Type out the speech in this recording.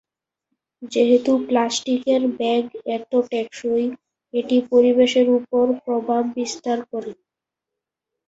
যেহেতু প্লাস্টিকের ব্যাগ এত টেকসই, এটি পরিবেশের উপর প্রভাব বিস্তার করে।